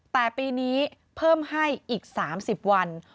แต่ปีนี้เพิ่มให้อีก๓๐วัน